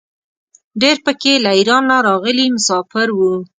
ډېر په کې له ایران نه راغلي مساپر وو.